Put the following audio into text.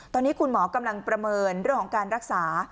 ตอนนี้คุณหมอกำลังประเมินเรื่องของการรักษา